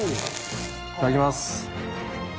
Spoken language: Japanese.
いただきます。